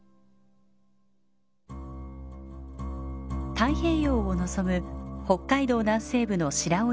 太平洋を望む北海道南西部の白老町。